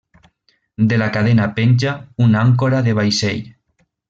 De la cadena penja una àncora de vaixell.